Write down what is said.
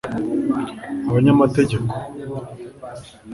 abanyamategeko